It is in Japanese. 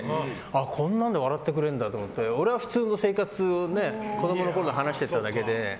こんなんで笑ってくれるんだって思って俺は普通の生活を子供のころのを話してただけで。